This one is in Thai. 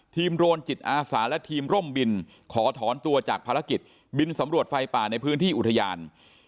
โรนจิตอาสาและทีมร่มบินขอถอนตัวจากภารกิจบินสำรวจไฟป่าในพื้นที่อุทยาน